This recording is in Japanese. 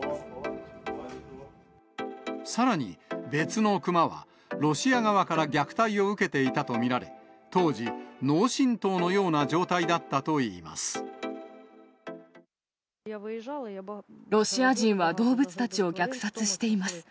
さらに、別のクマはロシア側から虐待を受けていたとみられ、当時、脳震とロシア人は動物たちを虐殺しています。